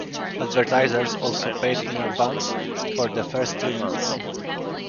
Advertisers also paid in advance for the first three months.